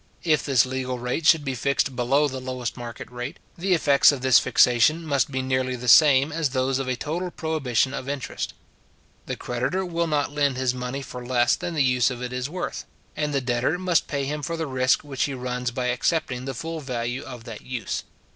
If this legal rate should be fixed below the lowest market rate, the effects of this fixation must be nearly the same as those of a total prohibition of interest. The creditor will not lend his money for less than the use of it is worth, and the debtor must pay him for the risk which he runs by accepting the full value of that use.